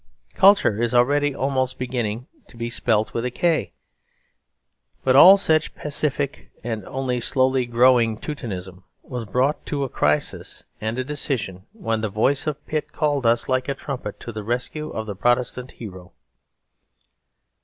Culture is already almost beginning to be spelt with a k. But all such pacific and only slowly growing Teutonism was brought to a crisis and a decision when the voice of Pitt called us, like a trumpet, to the rescue of the Protestant Hero.